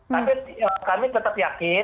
tapi kami tetap yakin